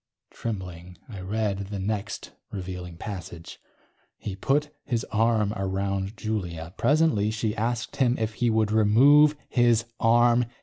Trembling, I read the next revealing passage: _... he put his arm around Julia. Presently she asked him if he would remove his arm.